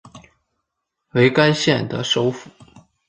为该县的首府。